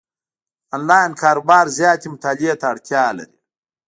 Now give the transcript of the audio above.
انلاین کاروبار زیاتې مطالعې ته اړتیا لري،